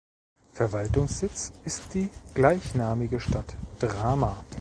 Verwaltungssitz ist die gleichnamige Stadt Drama.